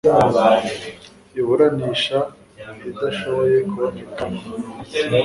iburanisha idashoboye kuboneka umwanditsi